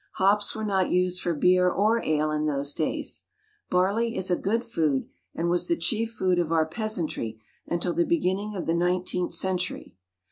Hops were not used for beer or ale in those days. Barley is a good food, and was the chief food of our peasantry until the beginning of the nineteenth century.